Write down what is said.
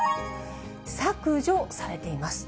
削除されています。